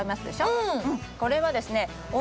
うん。